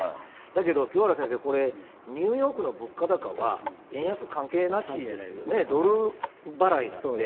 だけど、清原先生、これ、ニューヨークの物価高は円安関係なしですよね、ドル払いなので。